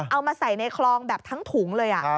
เอามาใส่ในคลองแบบทั้งถุงเลย